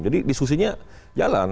jadi diskusinya jalan